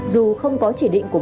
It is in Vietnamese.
dù không có chỉ định của bác